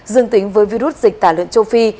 dương tính với virus dịch tả lượng châu phi